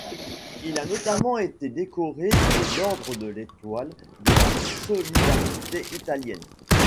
Il a notamment été décoré de l'Ordre de l'Étoile de la solidarité italienne.